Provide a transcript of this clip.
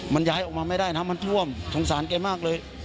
มันย้ายออกมาไม่ได้น้ำมันท่วมสงสารแกมากเลย